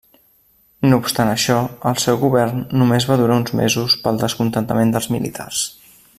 No obstant això el seu govern només va durar uns mesos pel descontentament dels militars.